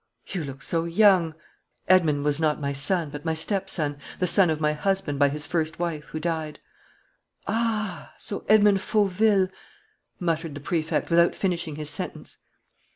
"You look so young " "Edmond was not my son, but my stepson, the son of my husband by his first wife, who died," "Ah! So Edmond Fauville " muttered the Prefect, without finishing his sentence.